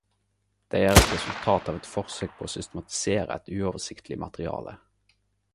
Dei er eit resultat av eit forsøk på å systematisere eit uoversikteleg materiale.